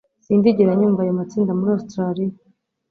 Sindigera nyumva ayo matsinda muri Australia